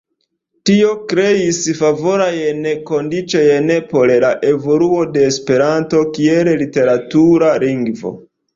Tio kreis favorajn kondiĉojn por la evoluo de Esperanto kiel literatura lingvo.